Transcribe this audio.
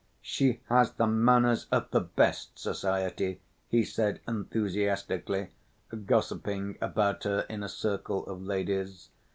"She has the manners of the best society," he said enthusiastically, gossiping about her in a circle of ladies.